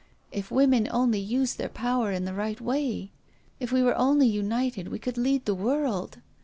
If women only used their power in the right way ! If we were only united we could lead the world.